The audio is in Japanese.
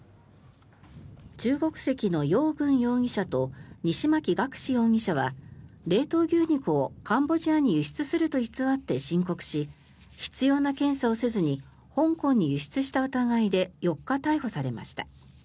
中国籍のヨウ・グン容疑者と西槇学志容疑者は冷凍牛肉をカンボジアに輸出すると偽って申告し必要な検査をせずに香港に輸出した疑いで４日、逮捕されました。